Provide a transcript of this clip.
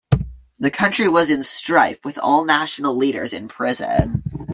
The country was in strife with all national leaders in prison.